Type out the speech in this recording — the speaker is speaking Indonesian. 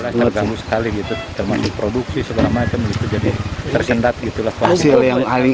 terganggu sekali termasuk produksi segala macam